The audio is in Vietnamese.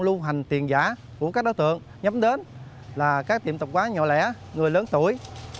lưu hành tiền giả của các đối tượng nhắm đến là các tiệm tập quán nhỏ lẻ người lớn tuổi